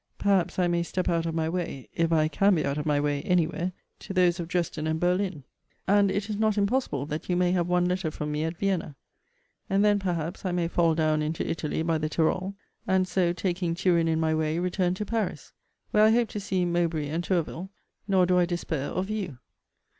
Perhaps I may step out of my way (if I can be out of my way any where) to those of Dresden and Berlin; and it is not impossible that you may have one letter from me at Vienna. And then, perhaps, I may fall down into Italy by the Tyrol; and so, taking Turin in my way, return to Paris; where I hope to see Mowbray and Tourville; nor do I despair of you.